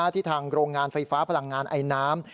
ที่ทางโรงงานไฟฟ้าพลังงานไอน้ำ